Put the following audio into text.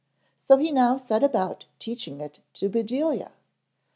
So he now set about teaching it to Bedelia.